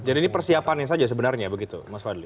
jadi ini persiapannya saja sebenarnya begitu mas wadli